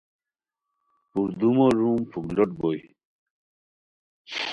پردومو روم پُھک لوٹ بوئے